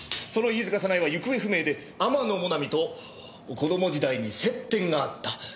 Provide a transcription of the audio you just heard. その飯塚早苗は行方不明で天野もなみと子供時代に接点があった。